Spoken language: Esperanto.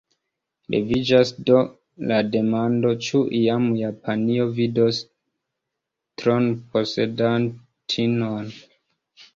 Leviĝas do la demando: ĉu iam Japanio vidos tronposedantinon?